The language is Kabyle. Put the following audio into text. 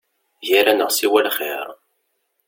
Gar-aneɣ siwa lxir.